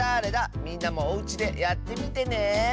みんなもおうちでやってみてね！